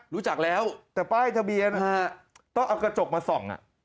รู้จักแล้วแต่ป้ายทะเบียนฮะต้องเอากระจกมาส่อง